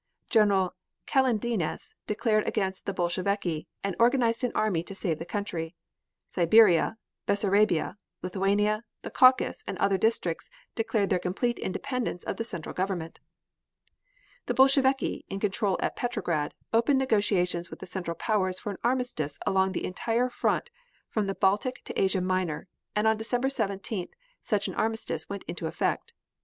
General Kaledines declared against the Bolsheviki, and organized an army to save the country. Siberia, Bessarabia, Lithuania, the Caucasus and other districts declared their complete independence of the Central Government. The Bolsheviki, in control at Petrograd, opened negotiations with the Central Powers for an armistice along the entire front from the Baltic to Asia Minor, and on December 17th, such an armistice went into effect.